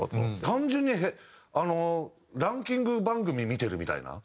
単純にあのランキング番組見てるみたいな。